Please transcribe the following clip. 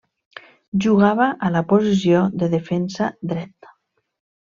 Jugava a la posició de defensa dret.